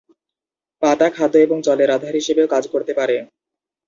পাতা খাদ্য এবং জলের আধার হিসেবেও কাজ করতে পারে।